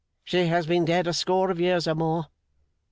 She has been dead a score of years or more.